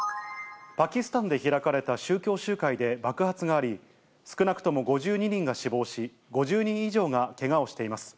パキスタンで開かれた宗教集会で爆発があり、少なくとも５２人が死亡し、５０人以上がけがをしています。